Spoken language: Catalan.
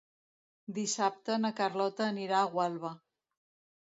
Dissabte na Carlota anirà a Gualba.